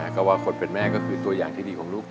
ก็ว่าคนเป็นแม่ก็คือตัวอย่างที่ดีของลูก